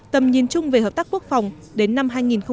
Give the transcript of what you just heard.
tầm nhìn chung về hợp tác quốc phòng đến năm hai nghìn hai mươi năm